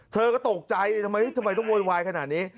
เธอก็ตกใจทำไมต้องโวยวายขนาดนี้